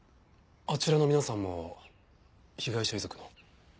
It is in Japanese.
あちらの皆さんも被害者遺族の？